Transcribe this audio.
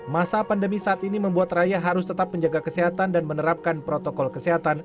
masa pandemi saat ini membuat raya harus tetap menjaga kesehatan dan menerapkan protokol kesehatan